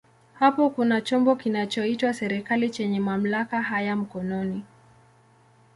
Hapo kuna chombo kinachoitwa serikali chenye mamlaka haya mkononi.